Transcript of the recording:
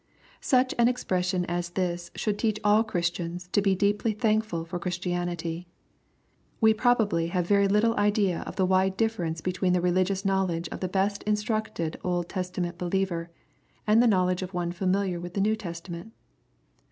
Such an expression as this should teach all Christians to be deeply thankful for Christianity. We have probably very little idea of the wide difference between the religious knowledge of the best instructed Old Testament believer and the knowledge of one familiar with the New Testa ment.